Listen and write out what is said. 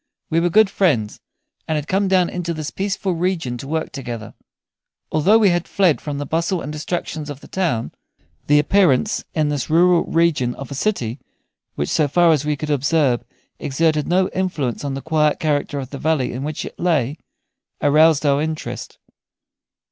We were good friends, and had come down into this peaceful region to work together. Although we had fled from the bustle and distractions of the town, the appearance in this rural region of a city, which, so far as we could observe, exerted no influence on the quiet character of the valley in which it lay, aroused our interest.